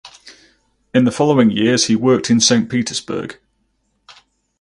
In the following years he worked in Saint Petersburg.